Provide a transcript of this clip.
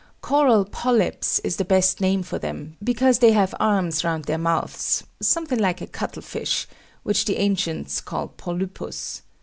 Coral polypes is the best name for them, because they have arms round their mouths, something like a cuttlefish, which the ancients called Polypus.